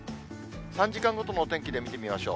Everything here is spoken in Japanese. ３時間ごとの天気で見てみましょう。